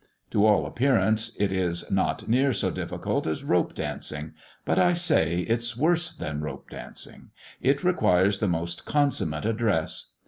To all appearance, it is not near so difficult as rope dancing, but I say it's worse than rope dancing; it requires the most consummate address.